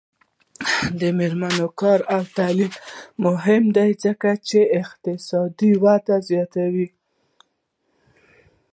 د میرمنو کار او تعلیم مهم دی ځکه چې اقتصادي وده زیاتوي.